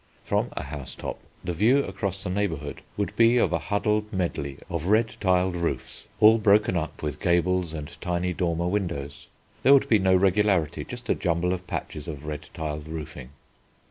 From a house top the view across the neighbourhood would be of a huddled medley of red tiled roofs, all broken up with gables and tiny dormer windows; there would be no regularity, just a jumble of patches of red tiled roofing.